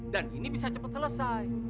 dan ini bisa cepet selesai